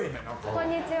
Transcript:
こんにちは。